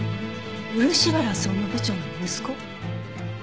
漆原総務部長の息子？